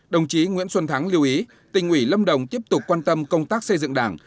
đồng chí nguyễn xuân thắng lưu ý tỉnh ủy lâm đồng tiếp tục quan tâm công tác xây dựng đảng